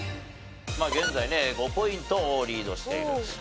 現在ね５ポイントをリードしている有田ナイン。